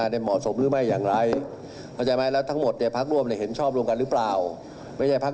แต่นักการหมายเขาต่อรองเหล่าน้าครับ